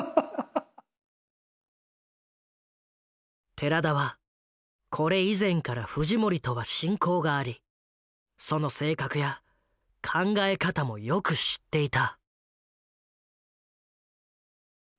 寺田はこれ以前からフジモリとは親交がありその性格や考え方もよく知っていた。